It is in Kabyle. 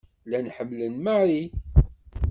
Llan ḥemmlen Mary.